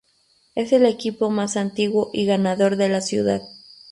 Es el equipo más antiguo y ganador de la ciudad.